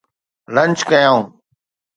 lunch ڪيائون